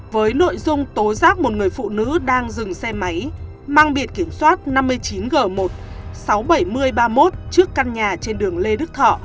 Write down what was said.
với nội dung tố giác một người phụ nữ đang dừng xe máy mang biển kiểm soát năm mươi chín g một sáu mươi bảy nghìn ba mươi một trước căn nhà trên đường lê đức thọ